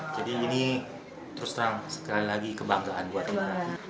jadi ini terus terang sekali lagi kebanggaan buat kita